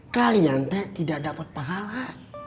kalian teh tidak dapat pahala